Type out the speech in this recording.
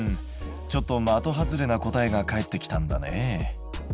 ちょっと的外れな答えが返ってきたんだね。